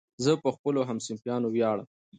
زه په خپلو همصنفیانو ویاړم.